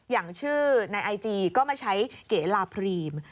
อย่างชื่อในไอจีก็มาใช้เก๋ลาพรีม